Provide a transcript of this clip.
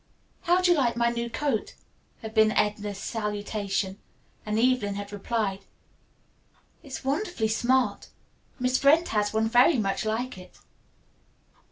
"How do you like my new coat?" had been Edna's salutation, and Evelyn had replied. "It's wonderfully smart. Miss Brent has one very much like it."